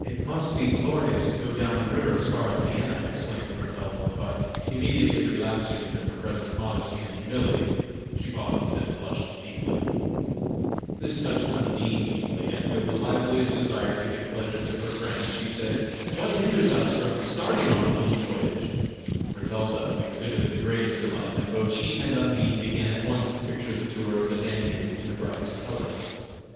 "It must be glorious to go down the river as far as Vienna!" exclaimed Bertalda, but immediately relapsing into her present modesty and humility, she paused and blushed deeply. This touched Undine deeply, and with the liveliest desire to give pleasure to her friend, she said: "What hinders us from starting on the little voyage?" Bertalda exhibited the greatest delight, and both she and Undine began at once to picture the tour of the Danube in the brightest colors.